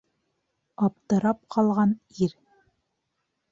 Аптырап ҡалған ир: